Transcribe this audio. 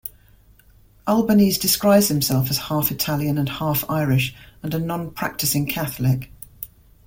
Albanese describes himself as "half-Italian and half-Irish" and a "non-practicising Catholic".